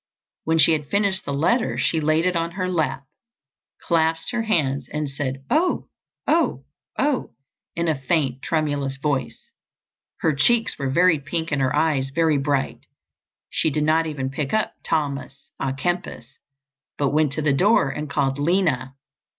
When she had finished the letter she laid it on her lap, clasped her hands, and said, "Oh, oh, oh," in a faint, tremulous voice. Her cheeks were very pink and her eyes very bright. She did not even pick up Thomas à Kempis but went to the door and called Lina.